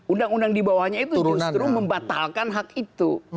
undang undang di bawahnya itu justru membatalkan hak itu